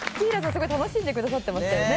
すごい楽しんでくださってましたよね。